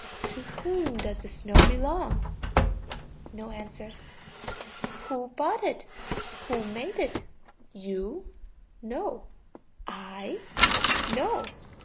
To whom does the snow belong? (No answer.) Who bought it? Who made it? You? No. I? No.